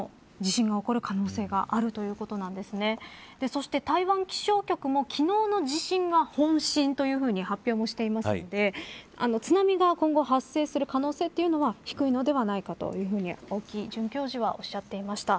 そして、台湾気象局も昨日の地震が本震としていますので津波が今後発生する可能性は低いのではないかと青木准教授はおっしゃってました。